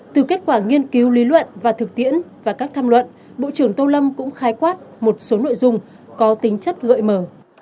từ kết quả nghiên cứu lý luận và thực tiễn và các tham luận bộ trưởng tô lâm cũng khái quát một số nội dung có tính chất gợi mở